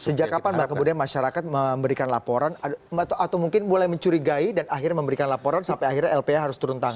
sejak kapan mbak kemudian masyarakat memberikan laporan atau mungkin mulai mencurigai dan akhirnya memberikan laporan sampai akhirnya lph harus turun tangan